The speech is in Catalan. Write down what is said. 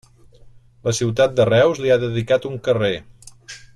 La ciutat de Reus li ha dedicat un carrer.